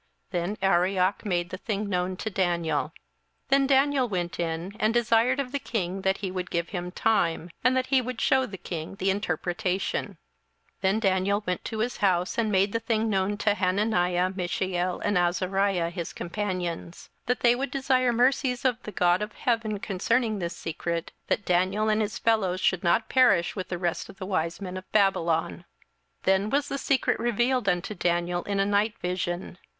Then Arioch made the thing known to Daniel. 27:002:016 Then Daniel went in, and desired of the king that he would give him time, and that he would shew the king the interpretation. 27:002:017 Then Daniel went to his house, and made the thing known to Hananiah, Mishael, and Azariah, his companions: 27:002:018 That they would desire mercies of the God of heaven concerning this secret; that Daniel and his fellows should not perish with the rest of the wise men of Babylon. 27:002:019 Then was the secret revealed unto Daniel in a night vision.